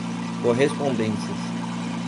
correspondências